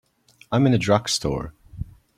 I'm in a drugstore.